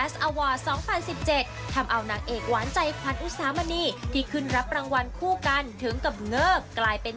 ส่วนหนึ่งเจ้าตัวมั่นใจเป็น